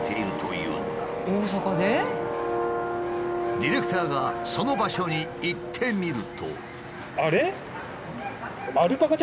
ディレクターがその場所に行ってみると。